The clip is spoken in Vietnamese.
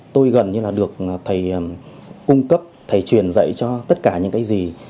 tôi gần như là được thầy cung cấp thầy truyền dạy cho tất cả những người học nghiệp